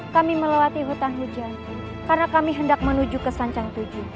kami melewati hutan hujan karena kami hendak menuju ke sanjang tujuh